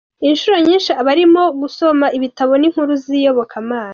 Inshuro nyinshi aba arimo gusoma ibitabo n’ inkuru z’ iyobokamana.